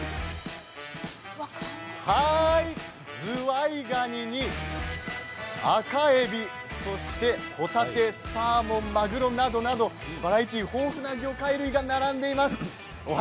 ズワイガニに、アカエビそして、ほたて、サーモンマグロなどなど豊富な魚介類が並んでいます。